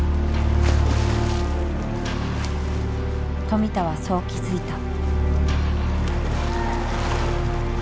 富田はそう気付いた。